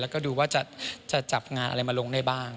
แล้วก็ดูว่าจะจับงานอะไรมาลงได้บ้าง